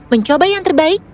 mencoba yang terbaik